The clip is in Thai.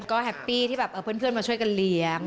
ก็แฮปปี้ที่แบบเพื่อนมาช่วยกันเลี้ยง